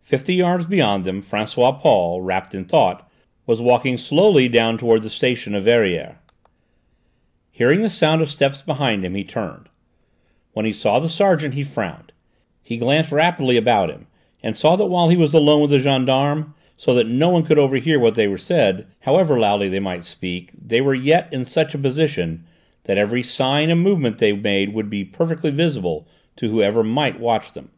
Fifty yards beyond them, François Paul, wrapped in thought, was walking slowly down towards the station of Verrières. Hearing the sound of steps behind him, he turned. When he saw the sergeant he frowned. He glanced rapidly about him and saw that while he was alone with the gendarme, so that no one could overhear what they said, however loudly they might speak, they were yet in such a position that every sign and movement they made would be perfectly visible to whoever might watch them.